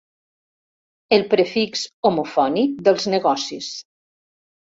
El prefix homofònic dels negocis.